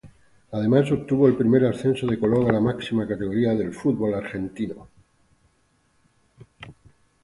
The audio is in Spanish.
Además obtuvo el primer ascenso de Colón a la máxima categoría del fútbol argentino.